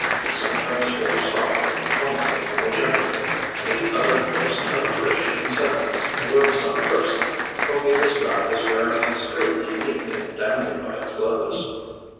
He sometimes swore softly, almost apologetically, and he uttered most unchristian sentiments toward some person whom he described as wearing extremely neat and dandified clothes.